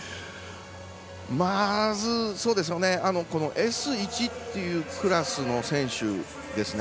まず、Ｓ１というクラスの選手ですね。